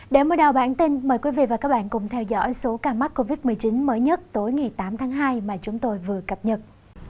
để mở đầu bản tin mời quý vị và các bạn cùng theo dõi số ca mắc covid một mươi chín mới nhất tối ngày tám tháng hai mà chúng tôi vừa cập nhật